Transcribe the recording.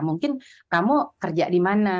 mungkin kamu kerja di mana